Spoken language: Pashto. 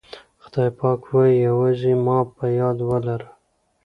خدای پاک وایي یوازې ما په یاد ولره.